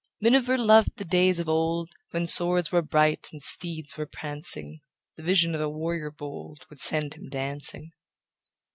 Miniver loved the days of old When swords were bright and steeds were prancing; The vision of a warrior bold Would send him dancing.